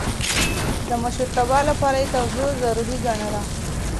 د مشرتابه لپاره يې تواضع ضروري ګڼله.